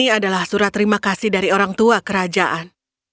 ini adalah surat terima kasih dari orang tua kerajaan